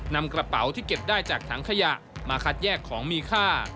นำกระเป๋าที่เก็บได้จากถังขยะมาคัดแยกของมีค่า